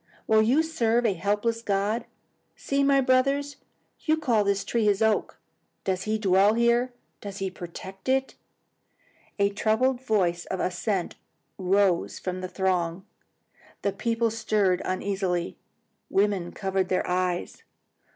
Will you serve a helpless god? See, my brothers, you call this tree his oak. Does he dwell here? Does he protect it?" A troubled voice of assent rose from the throng. The people stirred uneasily. Women covered their eyes.